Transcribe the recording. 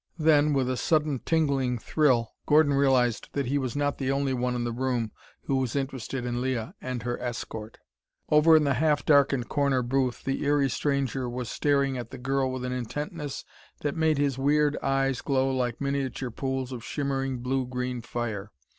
Then, with a sudden tingling thrill, Gordon realized that he was not the only one in the room who was interested in Leah and her escort. Over in the half darkened corner booth the eery stranger was staring at the girl with an intentness that made his weird eyes glow like miniature pools of shimmering blue green fire.